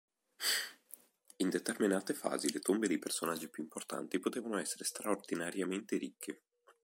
In determinate fasi le tombe dei personaggi più importanti potevano essere straordinariamente ricche.